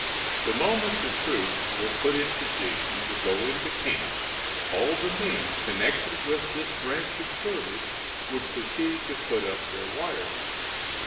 The moment the troops were put in position to go into camp all the men connected with this branch of service would proceed to put up their wires.